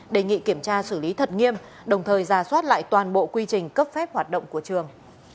đề nghị kiểm tra xử lý thật nghiêm đồng thời ra soát lại toàn bộ quy trình cấp phép hoạt động của trường